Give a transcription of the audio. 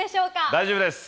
大丈夫です。